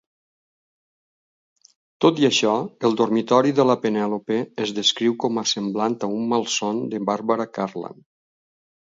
Tot i això, el dormitori de la Penèlope es descriu com a semblant a un 'malson de Barbara Cartland'.